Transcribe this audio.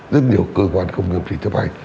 rất nhiều cơ quan không nghiêm trình chấp hành